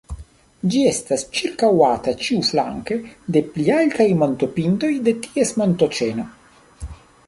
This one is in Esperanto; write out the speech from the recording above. Ĝi estas ĉirkaŭata ĉiuflanke de pli altaj montopintoj de ties montoĉeno.